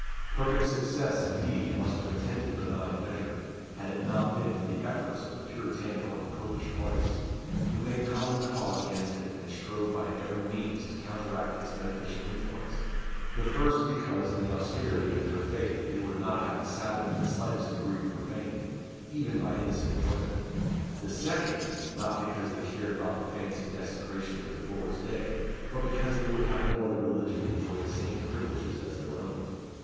Perfect success, indeed, must have attended the benign measure, had it not been for the efforts of the Puritanical and Popish parties, who made common cause against it, and strove by every means to counteract its beneficial influence: the first because in the austerity of their faith they would not have the Sabbath in the slightest degree profaned, even by innocent enjoyment; the second, not because they cared about the fancied desecration of the Lord's day, but because they would have no other religion enjoy the same privileges as their own.